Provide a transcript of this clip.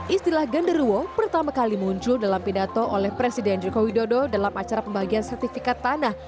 istilah genderuwo pertama kali muncul dalam pidato oleh presiden joko widodo dalam acara pembagian sertifikat tanah